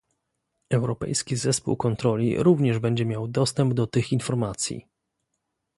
Europejski zespół kontroli również będzie miał dostęp do tych informacji